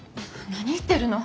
何言ってるの。